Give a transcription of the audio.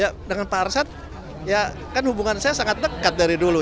ya dengan pak arsad ya kan hubungan saya sangat dekat dari dulu